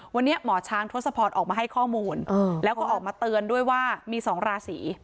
วันนี้หมอช้างทศพรออกมาให้ข้อมูลแล้วก็ออกมาเตือนด้วยว่ามี๒ราศี